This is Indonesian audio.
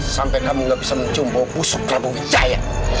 sampai kamu gak bisa mencumbau pusuk prabu wijaya